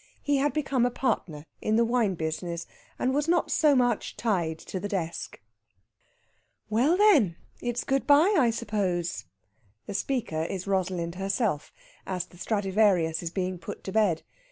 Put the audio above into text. He had become a partner in the wine business, and was not so much tied to the desk. "Well, then, it's good bye, I suppose?" The speaker is Rosalind herself, as the Stradivarius is being put to bed.